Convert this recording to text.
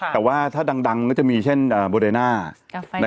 แต่ว่าถ้าดังก็จะมีเช่นโบเรน่า